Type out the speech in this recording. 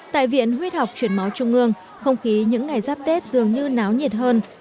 tại viện huyết học chuyển máu trung ương không khí những ngày giáp tết dường như náo nhiệt hơn